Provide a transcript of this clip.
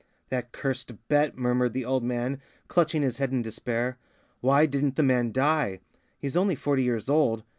"That cursed bet," murmured the old man clutching his head in despair... "Why didn't the man die? He's only forty years old.